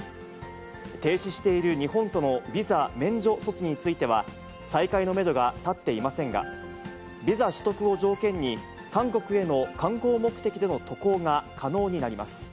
停止している日本とのビザ免除措置については、再開のメドが立っていませんが、ビザ取得を条件に、韓国への観光目的での渡航が可能になります。